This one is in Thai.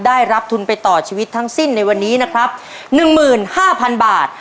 ได้รับทุนไปต่อชีวิตทั้งสิ้นในวันนี้นะครับหนึ่งหมื่นห้าพันบาท